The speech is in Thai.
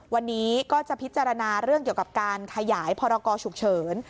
วันนี้ก็จะพิจารณาเรื่องเกี่ยวกับการขยายพรกรฉุกเฉิน